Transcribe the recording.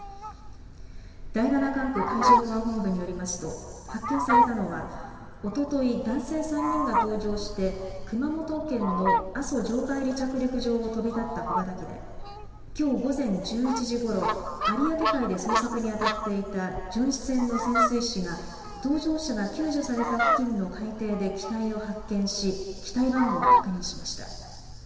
第７管区海上保安本部によりますと発見されたのはおととい、男性３人が搭乗して熊本県の阿蘇場外離着陸場を飛び立った小型機できょう午前１１時ごろ有明海で捜索にあたっていた巡視船の潜水士が搭乗者が救助された付近の海底で機体を発見し機体番号を確認しました。